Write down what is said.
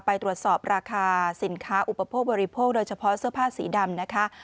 ไปตรวจสอบราคาสินค้าอุปโภคบริโภคโดยเฉพาะเสื้อผ้าสีดำนะคะ